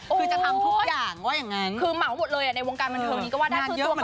คือจะทำทุกอย่างว่าอย่างงั้นคือเหมาะหมดเลยอะในวงการบรรเทิมนี้ก็ว่าได้ชื่อตัวเขาเองอะ